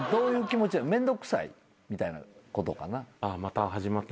めんどくさいみたいなことかな？